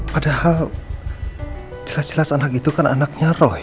padahal jelas jelas anak itu kan anaknya roh